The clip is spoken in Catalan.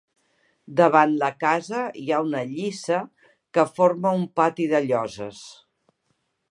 Davant la casa hi ha una lliça que forma un pati de lloses.